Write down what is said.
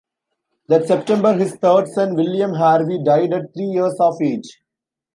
That September his third son, William Harvey, died at three years of age.